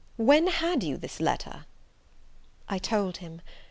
When had you this letter?" I told him.